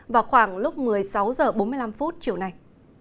vào khoảng lúc một mươi sáu h bốn mươi năm chiều này